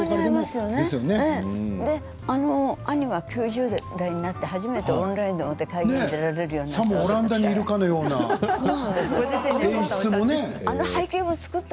私の兄は９０代になって初めてオンラインで会議に出られるようになって。